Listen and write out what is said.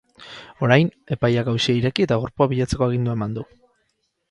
Orain, epaileak auzia ireki eta gorpua bilatzeko agindua eman du.